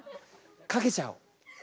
かけちゃおう。